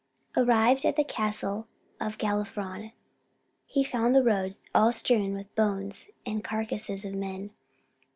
Arrived at the castle of Galifron, he found the road all strewn with bones, and carcases of men.